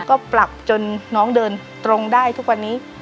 ก็ปรับจนน้องเดินตรงได้ทุกวันนี้